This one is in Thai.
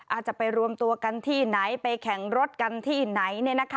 อาจจะไปรวมตัวกันที่ไหนไปแข่งรถกันที่ไหน